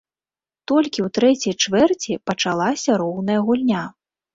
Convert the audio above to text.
Толькі ў трэцяй чвэрці пачалася роўная гульня.